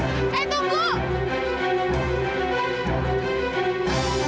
orang itu kemana ya